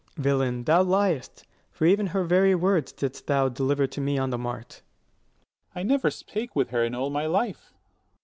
Ant. S. Villain, thou liest; for even her very words Didst thou deliver to me on the mart. Dro. S. I never spake with her in all my life.